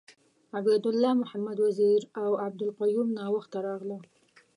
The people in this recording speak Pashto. عبید الله محمد وزیر اوعبدالقیوم ناوخته راغله .